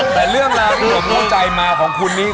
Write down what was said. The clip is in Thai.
แต่เรื่องราวที่ผมรู้ใจมาของคุณนี้